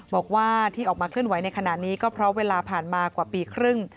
บอกว่าที่ออกมาเคลื่อนไหวในขณะนี้ก็เพราะเวลาผ่านมากว่าปีครึ่ง